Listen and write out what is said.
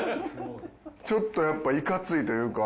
ちょっとやっぱいかついというか。